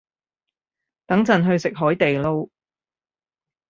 等陣去食海地撈